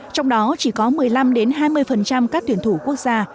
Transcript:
trong đó chỉ có một mươi năm hai mươi các tuyển thủ quốc gia